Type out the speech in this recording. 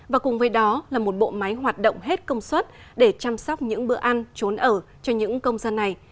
và cùng với đó là một bộ máy hoạt động hết công suất để chăm sóc những bữa ăn trốn ở cho những công dân này